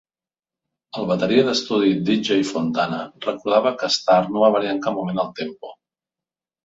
El bateria d'estudi, D. J. Fontana, recordava que Starr no va variar en cap moment el tempo.